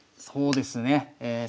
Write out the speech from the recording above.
そうですね。